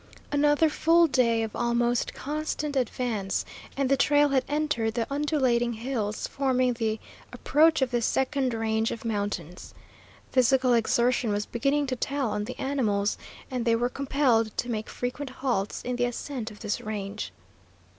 Another full day of almost constant advance, and the trail had entered the undulating hills forming the approach of this second range of mountains. Physical exertion was beginning to tell on the animals, and they were compelled to make frequent halts in the ascent of this range.